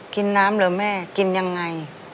กินน้ำเหรอแม่กินยังไง